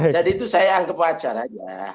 jadi itu saya anggap wajar aja